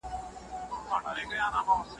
دروېشان د خپلو باباګانو